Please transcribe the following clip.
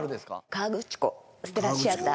河口湖ステラシアター。